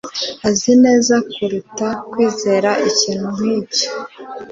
Azi neza kuruta kwizera ikintu nkicyo.